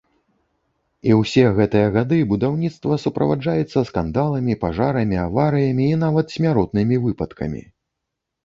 І ўсе гэтыя гады будаўніцтва суправаджаецца скандаламі, пажарамі, аварыямі і нават смяротнымі выпадкамі.